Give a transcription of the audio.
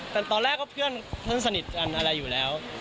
แต่ตอนแรกเค้าจะเพื่อนสนิทอะไรอยู่แล้ว